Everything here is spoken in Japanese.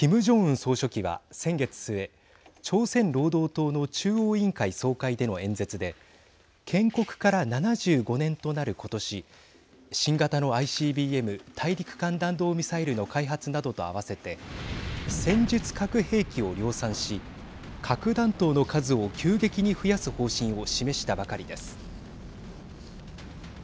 総書記は先月末朝鮮労働党の中央委員会総会での演説で建国から７５年となる今年新型のＩＣＢＭ＝大陸間弾道ミサイルの開発などと併せて戦術核兵器を量産し核弾頭の数を急激に増やす方針を示したばかりです。